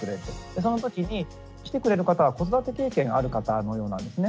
そのときに来てくれる方は子育て経験ある方のようなんですね。